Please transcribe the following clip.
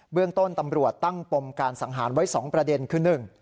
เรื่องต้นตำรวจตั้งปมการสังหารไว้๒ประเด็นคือ๑